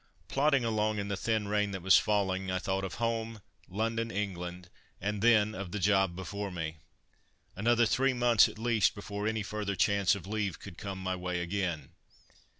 Plodding along in the thin rain that was falling I thought of home, London, England, and then of the job before me. Another three months at least before any further chance of leave could come my way again.